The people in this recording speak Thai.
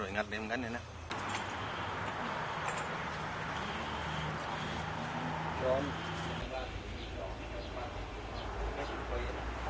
เลยให้เดินเดินโดยเนี้ย